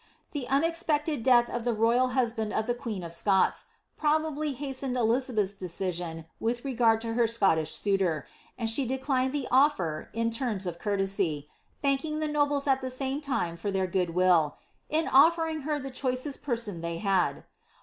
The unexpected death of the royal husband of the queen of Scots, probably, hastened Elizabeth's decision with regard to her Scottish suitor, and she declined the ofler in terms of courtesy ; thank ing the nobles at the same time for their good will, ^^ in ofiering her the choicest person they had."